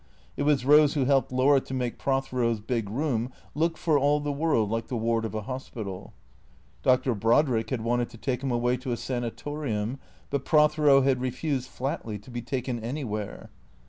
It was Eose who helped Laura to make Prothero's big room look for all the world like the ward of a hospital. Dr. Brodrick had wanted to take him away to a sanatorium, but Prothero had refused flatly to be taken anywhere.